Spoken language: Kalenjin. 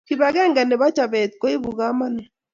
Kibakeng nebo chabet koibu kamanut